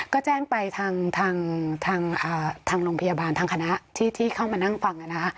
ก็แจ้งไปทางโรงพยาบาลทางคณะที่เข้ามานั่งฟังนะคะ